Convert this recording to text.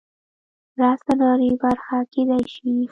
رس د ناري برخه کیدی شي